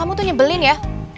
kamu tuh pendendam tau gak